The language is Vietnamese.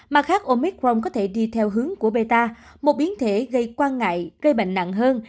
mặt khác omicron có thể đi theo hướng của meta một biến thể gây quan ngại gây bệnh nặng hơn